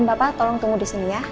ibu dan bapak tolong tunggu disini ya